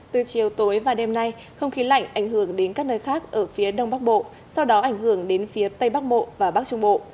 từ chiều tối và đêm nay không khí lạnh ảnh hưởng đến các nơi khác ở phía đông bắc bộ sau đó ảnh hưởng đến phía tây bắc bộ và bắc trung bộ